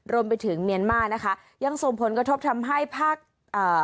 รวมไปถึงเมียนมานะคะยังส่งผลกระทบทำให้ภาคเอ่อ